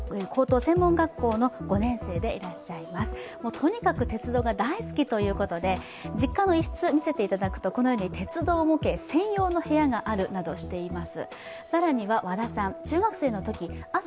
とにかく鉄道が大好きということで実家の一室見せていただくと鉄道模型専用の部屋があるなどしています。